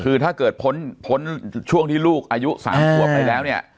คือถ้าเกิดพ้นพ้นช่วงที่ลูกอายุ๓ขวบไปแล้วเนี่ย